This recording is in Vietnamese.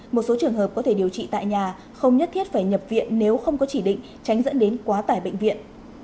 một số trường hợp có thể điều trị tại nhà không nhất thiết phải nhập viện nếu không có chỉ định tránh dẫn đến quá tải bệnh viện